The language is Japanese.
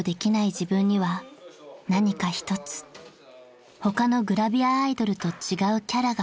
自分には何か一つ他のグラビアアイドルと違うキャラが欲しい］